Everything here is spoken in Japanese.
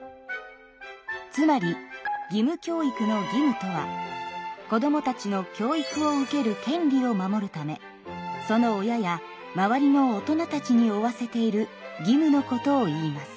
つまり義務教育の義務とは子どもたちの教育を受ける権利を守るためその親や周りの大人たちに負わせている義務のことをいいます。